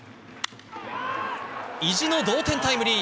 意地の同点タイムリー。